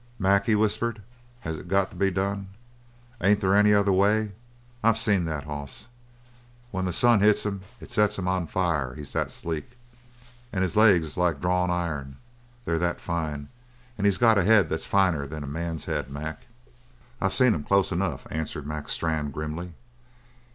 "Mac," he whispered, "has it got to be done? Ain't there any other way? I've seen that hoss. When the sun hits him it sets him on fire, he's that sleek. And his legs is like drawn iron, they're that fine. And he's got a head that's finer than a man's head, Mac." "I've seen him close enough," answered Mac Strann grimly.